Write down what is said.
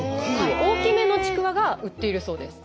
大きめのちくわが売っているそうです。